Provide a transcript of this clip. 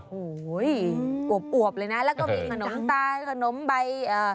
โห้ยอวบเลยนะแล้วก็มีขนมใต้ขนมใบ